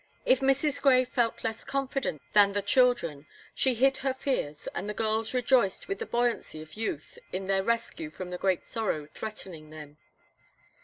If Mrs. Grey felt less confident than the children, she hid her fears, and the girls rejoiced with the buoyancy of youth in their rescue from the great sorrow threatening them.